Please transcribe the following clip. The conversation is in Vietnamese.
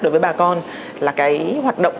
đối với bà con là cái hoạt động